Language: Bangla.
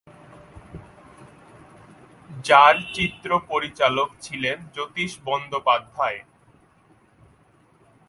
যার চিত্র পরিচালক ছিলেন জ্যোতিষ বন্দ্যোপাধ্যায়।